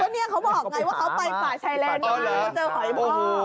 เพราะเนี่ยเขาบอกไงว่าเขาไปป่าชัยเลนมาแล้วเจอหอยพ่อ